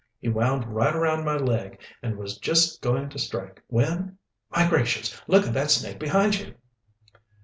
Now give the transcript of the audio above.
He wound right around my leg and was just going to strike, when My gracious! look at that snake behind you!"